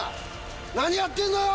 何やってんのよ！